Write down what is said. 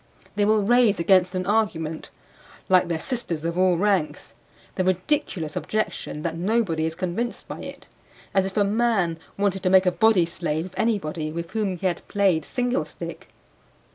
They will raise against an argument (like their sisters of all ranks) the ridiculous objection that nobody is convinced by it; as if a man wanted to make a body slave of anybody with whom he had played single stick.